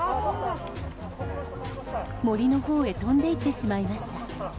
森のほうへ飛んで行ってしまいました。